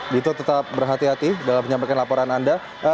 dito tetap berhati hati dalam menyampaikan laporan anda